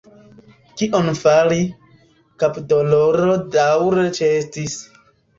Kion fari – kapdoloro daŭre ĉeestis.